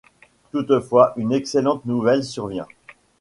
Toutefois, une excellente nouvelle survient.